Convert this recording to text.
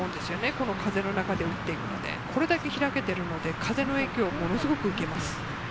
この風の中で打っていくので、これだけ開けているので、風の影響はものすごく受けます。